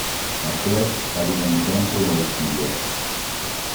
Ma Flash arriva in tempo e la uccide.